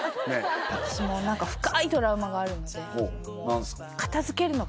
私もう何か深いトラウマがあるんですよね何すか？